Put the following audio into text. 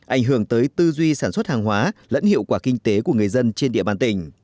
ảnh hưởng tới tư duy sản xuất hàng hóa lẫn hiệu quả kinh tế của người dân trên địa bàn tỉnh